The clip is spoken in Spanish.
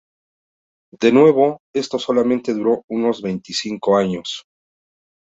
De nuevo, esto solamente duró unos veinticinco años.